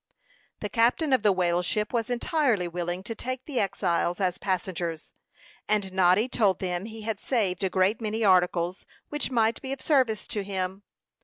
The captain of the whale ship was entirely willing to take the exiles as passengers; and Noddy told him he had saved a great many articles, which might be of service to him.